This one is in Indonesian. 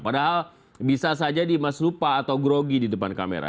padahal bisa saja dimas lupa atau grogi di depan kamera